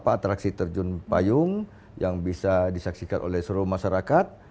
atraksi terjun payung yang bisa disaksikan oleh seluruh masyarakat